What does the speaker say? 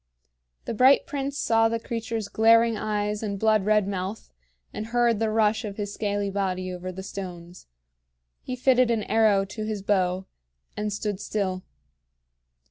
The bright prince saw the creature's glaring eyes and blood red mouth, and heard the rush of his scaly body over the stones. He fitted an arrow to his bow, and stood still.